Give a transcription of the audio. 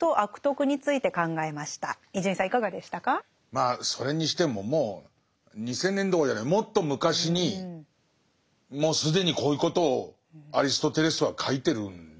まあそれにしてももう２，０００年どころじゃないもっと昔にもう既にこういうことをアリストテレスは書いてるんですね。